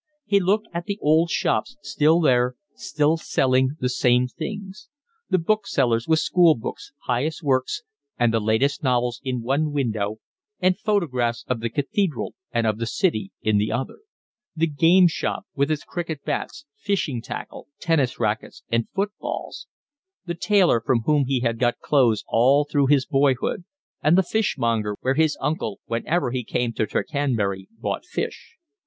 He looked at the old shops, still there, still selling the same things; the booksellers with school books, pious works, and the latest novels in one window and photographs of the Cathedral and of the city in the other; the games shop, with its cricket bats, fishing tackle, tennis rackets, and footballs; the tailor from whom he had got clothes all through his boyhood; and the fishmonger where his uncle whenever he came to Tercanbury bought fish.